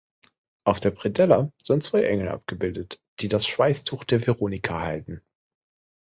Auf der Predella sind zwei Engel abgebildet, die das Schweißtuch der Veronika halten.